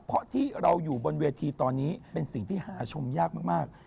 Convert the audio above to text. เพราะที่เราอยู่บนเวทีตอนนี้เป็นสิ่งที่หาชมยากมาก